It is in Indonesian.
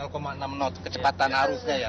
knot kecepatan arusnya ya